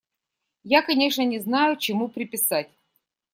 Я, конечно, не знаю, чему приписать.